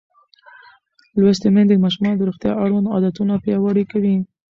لوستې میندې د ماشومانو د روغتیا اړوند عادتونه پیاوړي کوي.